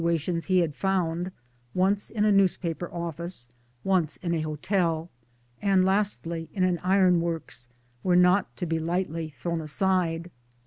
161 tions he had found once in a newspaper office, once in an hotel, and lastly in an ironworks were not to be lightly thrown aside.